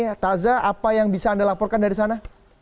muftazah apa yang bisa anda laporkan dari sana